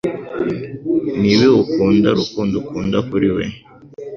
Nibihe ukunda urukundo ukunda kuri we